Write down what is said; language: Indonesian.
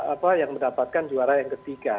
apa yang mendapatkan juara yang ketiga